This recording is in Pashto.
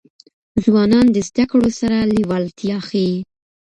ځوانان د زدهکړو سره لېوالتیا ښيي.